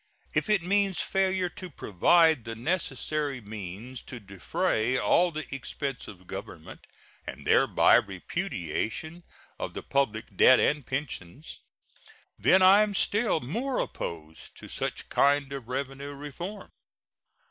If it means failure to provide the necessary means to defray all the expenses of Government, and thereby repudiation of the public debt and pensions, then I am still more opposed to such kind of revenue reform.